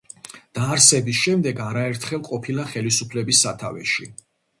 დაარსების შემდეგ არაერთხელ ყოფილა ხელისუფლების სათავეში.